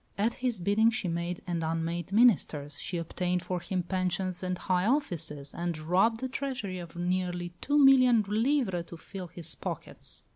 At his bidding she made and unmade ministers; she obtained for him pensions and high offices, and robbed the treasury of nearly two million livres to fill his pockets.